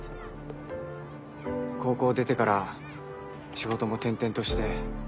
高校を出てから仕事も転々として。